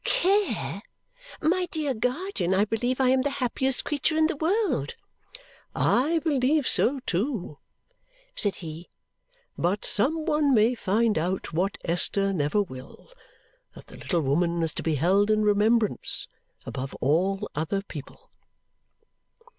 "Care? My dear guardian, I believe I am the happiest creature in the world!" "I believe so, too," said he. "But some one may find out what Esther never will that the little woman is to be held in remembrance above all other people!"